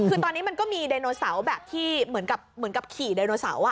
คือตอนนี้มันก็มีไดโนเสาร์แบบที่เหมือนกับขี่ไดโนเสาร์